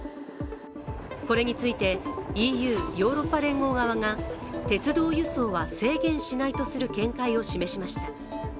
これについてＥＵ＝ヨーロッパ連合側が鉄道輸送は制限しないとする見解を示しました。